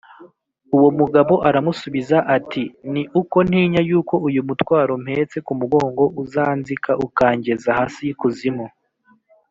Uwo mugabo aramusubiza ati: “Ni uko ntinya yuko uyu mutwaro mpetse mu mugongo uzanzika, ukangeza hasi y’ikuzimu